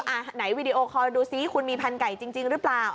อ่ะไหนวีดีโอคอลดูซิคุณมีพันไก่จริงหรือเปล่า